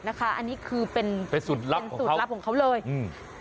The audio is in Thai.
นะคะอันนี้คือเป็นเป็นสุดลับเป็นสุดลับของเขาของเขาเลยอืม